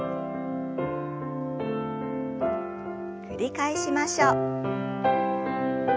繰り返しましょう。